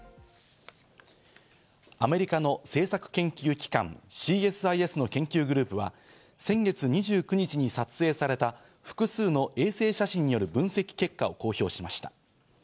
アメリカの政策研究機関＝ＣＳＩＳの研究グループは、先月２９日に撮影された複数の衛星写真による分析結果を公表しました。